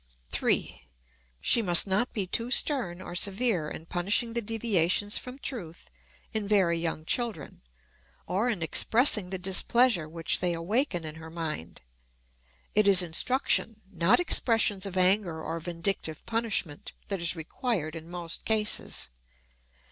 3. She must not be too stern or severe in punishing the deviations from truth in very young children, or in expressing the displeasure which they awaken in her mind. It is instruction, not expressions of anger or vindictive punishment, that is required in most cases.